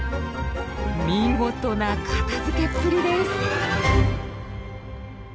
見事な片づけっぷりです。